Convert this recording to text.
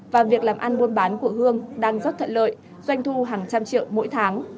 và việc làm ăn buôn bán của hương đang rất thuận lợi doanh thu hàng trăm triệu mỗi tháng